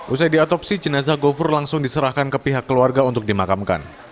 usai diotopsi jenazah gofur langsung diserahkan ke pihak keluarga untuk dimakamkan